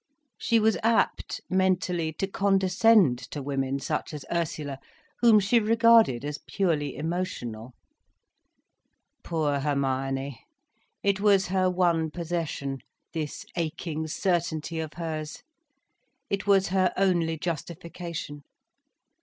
She was apt, mentally, to condescend to women such as Ursula, whom she regarded as purely emotional. Poor Hermione, it was her one possession, this aching certainty of hers, it was her only justification.